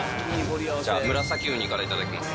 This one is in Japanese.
じゃあムラサキウニからいただきます。